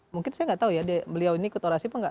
mungkin saya gak tahu ya beliau ini ikut orasi apa enggak